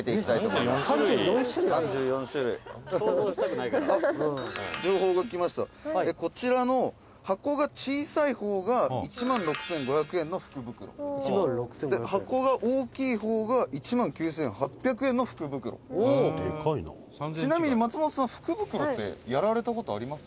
二階堂：「情報が来ました」「こちらの箱が小さい方が１万６５００円の福袋」「箱が大きい方が１万９８００円の福袋」「ちなみに、松本さん福袋ってやられた事あります？」